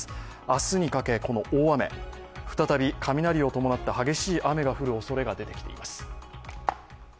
明日にかけ、大雨再び雷を伴った激しい雨が降るおそれが出てきています。